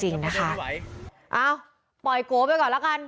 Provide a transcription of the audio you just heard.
เอ้าปล่อยโกไปก่อนแล้วกัน